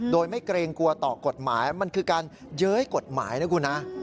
โดยไม่เกรงกลัวต่อกฎหมายมันคือการเย้ยกฎหมายนะคุณนะ